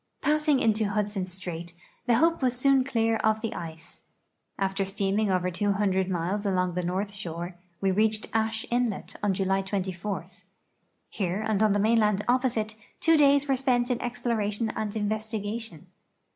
Passing into Hudson strait, the Hope was soon clear of the ice. After steaming over 200 miles along the north shore, we reached Ashe inlet on July 24. Here and on the mainland opposite two days were spent in exploration and investigation.